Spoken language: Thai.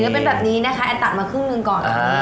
เนื้อเป็นแบบนี้นะคะตัดมาครึ่งหนึ่งก่อน